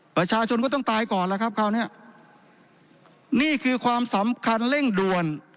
ประชาชนก็ต้องตายก่อนแล้วครับคราวเนี้ยนี่คือความสำคัญเร่งด่วน